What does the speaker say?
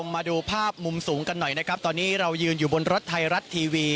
มาดูภาพมุมสูงกันหน่อยนะครับตอนนี้เรายืนอยู่บนรถไทยรัฐทีวี